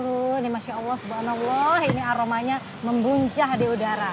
ini masya allah subhanallah ini aromanya membuncah di udara